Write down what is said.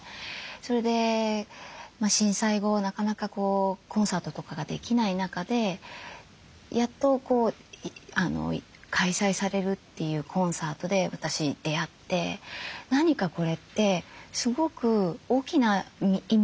それで震災後なかなかコンサートとかができない中でやっと開催されるっていうコンサートで私出会って何かこれってすごく大きな意味があるなって思ったんですね。